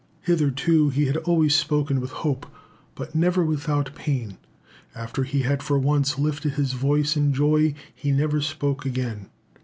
Hitherto he had always spoken with hope, but never without pain; after he had for once lifted his voice in joy he never spoke again.